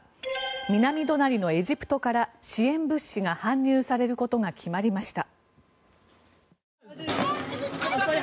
南隣のエジプトから支援物資が搬入されることが決まりました。